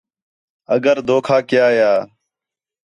اگر دھوکا کیا ہا